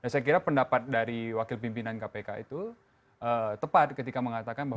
dan saya kira pendapat dari wakil pimpinan kpk itu tepat ketika mengatakan bahwa